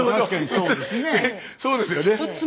そうですよね。